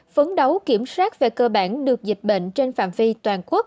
phấn đấu kiểm soát về cơ bản được dịch bệnh trên phạm vi toàn quốc